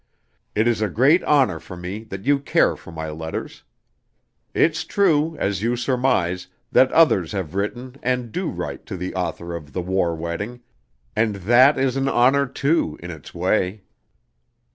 "It is a great honor for me that you care for my letters. It's true, as you surmise, that others have written and do write to the author of 'The War Wedding,' and that is an honor too, in its way.